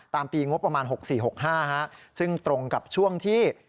ปีงบประมาณ๖๔๖๕ซึ่งตรงกับช่วงที่